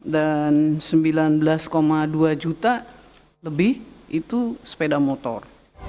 dan sembilan belas dua juta lebih itu sepeda motor